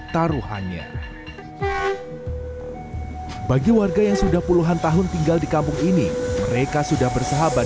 taruhannya bagi warga yang sudah puluhan tahun tinggal di kampung ini mereka sudah bersahabat